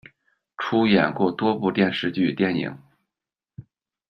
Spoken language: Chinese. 出演过多部电视剧、电影。